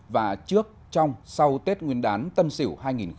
và trước trong sau tết nguyên đán tân sỉu hai nghìn hai mươi một